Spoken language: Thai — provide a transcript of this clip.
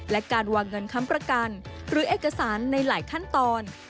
และการวางเงินค้ำประกันหรือเอกสารในหลายขั้นตอน